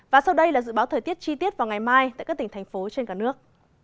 và sau đây là dự báo thời tiết chi tiết vào ngày mai tại các tỉnh thành phố trên cả nước